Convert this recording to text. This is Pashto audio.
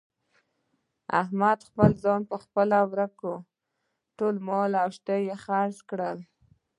احمد خپل ځان په خپله ورک کړ. ټول مال او شته یې خرڅ کړل.